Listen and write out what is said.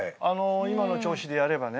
今の調子でやればね。